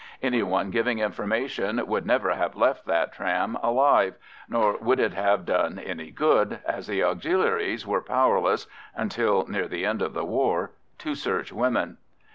Any one giving information would never have left that tram alive, nor would it have done any good, as the Auxiliaries were powerless (until near the end of the war) to search women.